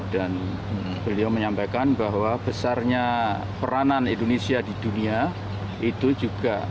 dan beliau menyampaikan bahwa besarnya peranan indonesia di dunia itu juga